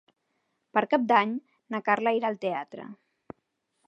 Per Cap d'Any na Carla irà al teatre.